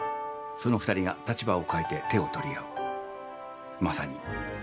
その２人が立場を変えて手を取り合う。